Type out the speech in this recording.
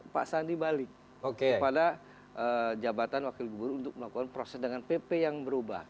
pak sandi balik kepada jabatan wakil gubernur untuk melakukan proses dengan pp yang berubah